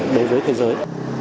đối với thế giới